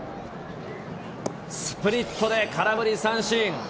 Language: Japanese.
スプリットで空振り三振。